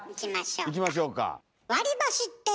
いきましょうか。